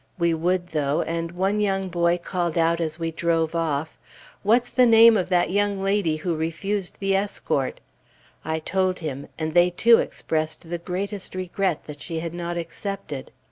We would, though, and one young boy called out as we drove off, "What's the name of that young lady who refused the escort?" I told him, and they too expressed the greatest regret that she had not accepted.